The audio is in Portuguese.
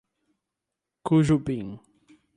Cujubim